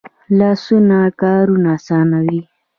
لاسونه کارونه آسانوي